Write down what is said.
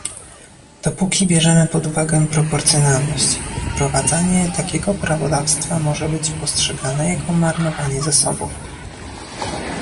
Dopóki bierzemy pod uwagę proporcjonalność, wprowadzenie takiego prawodawstwa może być postrzegane jako marnowanie zasobów